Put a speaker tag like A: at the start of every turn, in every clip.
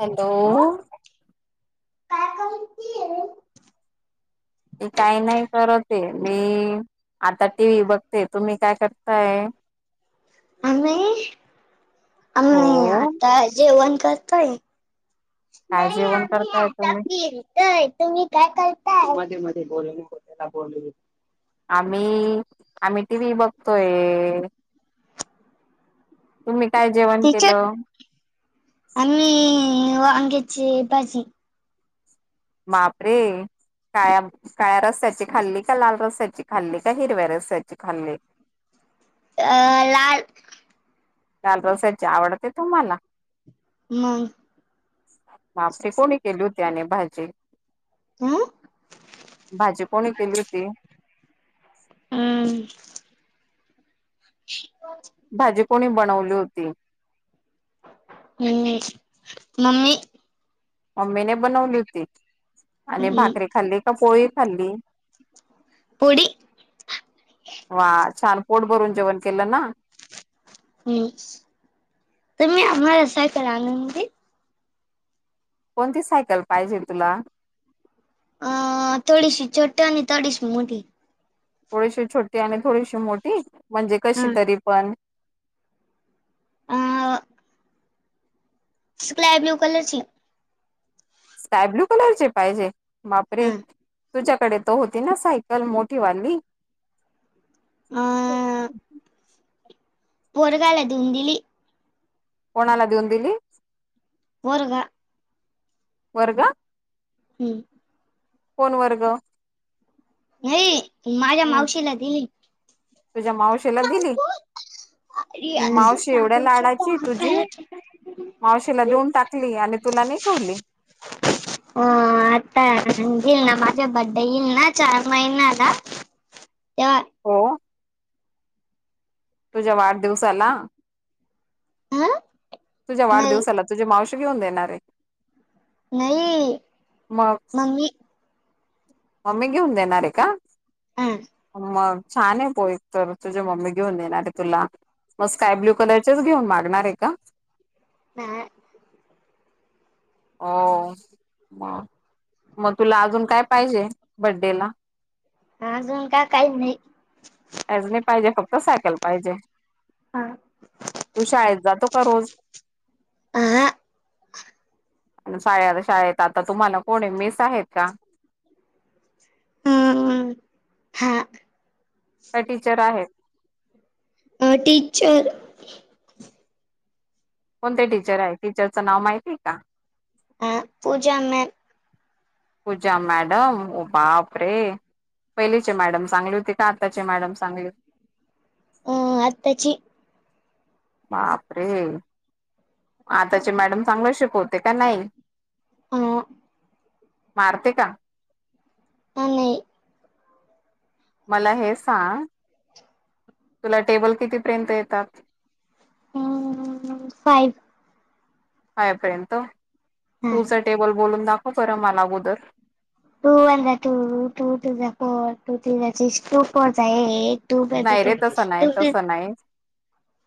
A: Hello
B: काय करती हे?
A: मी काही नाही करते मी आता टीव्ही बघते, तुम्ही काय करताय?
B: [unintelligible] [unintelligible] काय
A: हो
B: तुम्ही काय
A: काय जेवण करताय तुम्ही
B: करताय? मध्ये मध्ये बोलू नको त्या बोल
A: आम्ही आम्ही टी व्ही बघतोय. तुम्ही काय जेवण
B: टीचर
A: केलं?
B: आम्ही, वांग्याची भाजी.
A: बापरे. काळ काळ्या रस्याची खाल्ली का? लाल रसाची खाल्ली का? हिरव्या रसाची खाल्ली?
B: अ लाल
A: लाल रसाची आवडते तुम्हाला?
B: मग?
A: मापशी कोणी केली होती आणि भाजी?
B: हं?
A: भाजी कोणी केली होती?
B: हम्म. [inaudible]
A: भाजी कोणी बनवली होती?
B: हम्म, मम्मी.
A: मम्मीने बनवली होती आणि भाकरी खाल्ली का पोळी खाल्ली?
B: पोडी
A: वा छान पोट भरून जेवण केलं ना?
B: [unintelligible]
A: कोणती सायकल पाहिजे तुला?
B: [unintelligible]
A: थोडीशी छोटी आणि थोडीशी मोठी, म्हणजे कशी
B: हा
A: तरी पण?
B: अम्म. स्क्लाय ब्ल्यू कलरची.
A: स्काय ब्लू कलरची पाहिजे
B: हा
A: मापरे! तुझ्याकडे तो होती ना, सायकल मोठी वाली?
B: आ पोरग्याले देऊन दिली.
A: कोणाला देऊन दिली?
B: पोरगा
A: पोरगा?
B: हम्म.
A: फोन वर्ग
B: नाही माझ्या
A: हम्म
B: मावशीला दिली.
A: तुझ्या मावशीला दिली
B: हम्म.
A: मावशी एवढ्या लाडाची तुझी ली आणि तुला नाही ठेवली.
B: हो आता ईलना माझ्या बड्डे ईल ना चार महिना आला तेव्हा
A: हो, तुझ्या वाढदिवसाला
B: आ?
A: तुझ्या वाढदिवसाला तुझे मावशी घेऊन देणार आहे.
B: नाही
A: मग
B: मम्मी
A: मम्मी घेऊन देणार रे का
B: ह
A: मग? छान [unintelligible] तर तुझी मम्मी घेऊन देणार तुला. मग स्काय ब्लू कलरचेच घेऊन मागणार आहे का?
B: नाय.
A: हो. मग मग, तुला अजून काय पाहिजे बड्डेला?
B: अजून का काही नाही.
A: अजून एक नाही पाहिजे, फक्त सायकल पाहिजे. तू शाळेत जातो का रोज?
B: हा
A: शाळ-शाळेत आता तुम्हाला कोण आहेत, मिस आहेत का?
B: हम्म हा.
A: का टीचर आहेत?
B: अं टीचर
A: कोणते टीचर आहे, टीचरचं नाव माहिती आहे का?
B: हां पूजा मॅम.
A: पूजा मॅडम, बाप रे. पहिलीचे मॅडम चांगली होती का, आताचे मॅडम चांगली आहेत?
B: अं आत्ताची
A: बापरे, आताचे मॅडम चांगले शिकवते का नाही?
B: हं.
A: मारते का?
B: काय नाही.
A: मला हे सांग तुला टेबल कितीपर्यंत येतात?
B: अ फाईव
A: फाइवपर्यंत.
B: हा
A: पुढचं टेबल बोलून दाखव बरं मला अगोदर.
B: टू वन जा टू, टू टू जा फोर, टू थ्री जा सिक्स, टू फोर जा एक.
A: नाही रे तसं नाही तसं नाही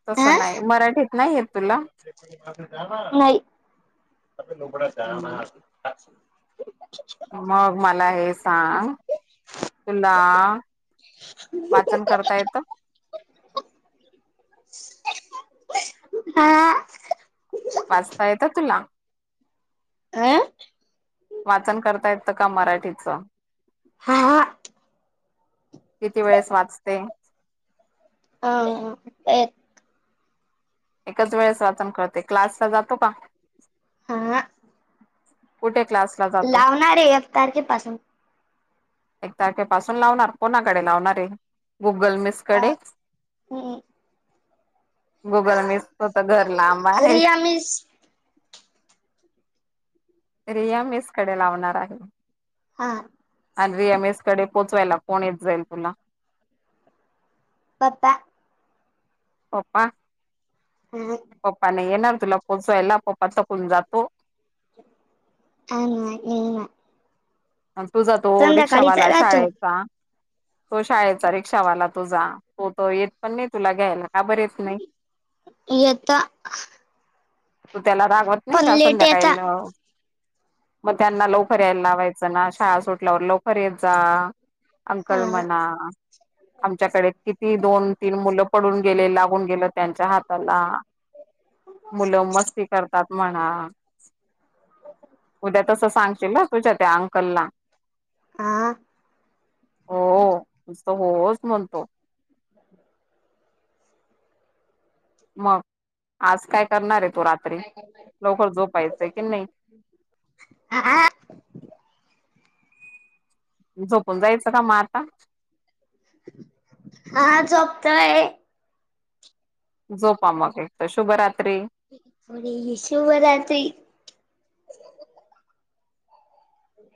A: तसं नाही. मराठीत नाही येत तुला?
B: नई.
A: मग मला हे सांग तुला वाचन करता येतं?
B: हा.
A: वाचता येतं तुला?
B: आं.
A: वाचन करता येत का मराठीचं?
B: हा हा.
A: किती वेळेस वाचते?
B: हा. [unintelligible]
A: एखाद्या वेळेस वाचन कळते, क्लासला जातो का?
B: आंहा.
A: कुठे क्लास
B: लावणार आहे एक तारखेपासून.
A: एक तारखे पासून लावणार कोणाकडे लावणार आहे? गुगल मिस कडे. [unintelligible] मिसच तर घर लांब आहे.
B: रिया मिस
A: रिया मेसकडे लावणार आहे.
B: हा.
A: आन्वी एम एसकडे पोचवायला कोण येत जाईल तुला.
B: पप्पा.
A: पप्पा
B: [unintelligible]
A: पप्पा नाही येणार तुला पोसयला, पप्पा थकून जातो.
B: काय नाही, ये नाही.
A: आणि तुझा तो रिक्षावाला आहे
B: राहतो
A: शाळेत. का तो शाळेचा रिक्षावाला तुझा, हो तो येत पण नाही तुला घ्यायला. का बरे हायत नाही,
B: येता
A: तू त्याला रागवत नाही
B: पण
A: का
B: लेट येता
A: संध्याकाळी लावू, मग त्यांना लवकर यायला लावाय चना शाळा सुटल्यावर लवकर येत जा. अंकल
B: हा
A: म्हणा आमच्याकडे किती दोन तीन मुलं पडून गेले, लागून गेलेत. त्यांच्या हाताला मुलं मस्ती- करतात म्हणा. उद्या तसं सांगशील हा तुझ्या त्या कल्ला,
B: हा
A: हो हो नुसता हो होच म्हणतो.
B: ह् [inaudible]
A: मग आज काय करणार आहे तू रात्री? लवकर झोपायचंय कि नाही?
B: हां.
A: झोपून जायचं का म आता?
B: हा झोपतोय.
A: झोपा मग एकट शुभरात्री.
B: म्हणजे हे शुभराात्री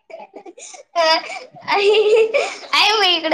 B: [unintelligible] आहे मग इकडं‌.